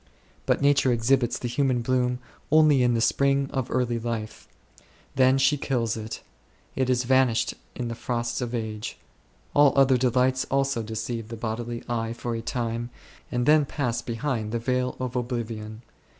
But Nature exhibits the human bloom only in the spring of early life ; then she kills it; it is vanished in the frosts of age. All other delights also deceive the bodily eye for a time, and then pass behind the veil of oblivion.